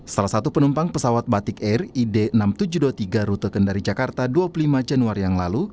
salah satu penumpang pesawat batik air id enam ribu tujuh ratus dua puluh tiga rute kendari jakarta dua puluh lima januari yang lalu